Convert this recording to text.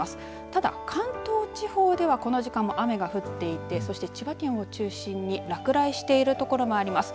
ただ、関東地方ではこの時間も雨が降っていてそして千葉県を中心に落雷している所もあります。